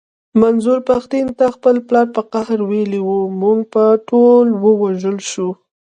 منظور پښتين ته خپل پلار په قهر ويلي و مونږ به ټول ووژل شو.